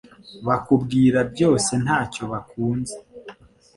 bakubwira byose nta cyo bakunze